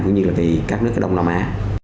cũng như các nước đông nam á